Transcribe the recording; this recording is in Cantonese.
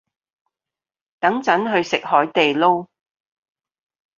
等陣去食海地撈